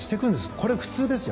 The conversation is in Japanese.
これ普通ですよ。